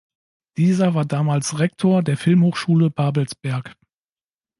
Dieser war damals Rektor der Filmhochschule Babelsberg.